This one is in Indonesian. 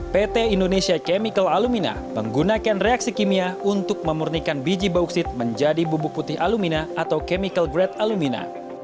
pt indonesia chemical alumina menggunakan reaksi kimia untuk memurnikan biji bauksit menjadi bubuk putih alumina atau chemical grade alumina